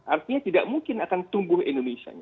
artinya tidak mungkin akan tumbuh indonesianya